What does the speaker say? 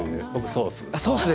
ソース。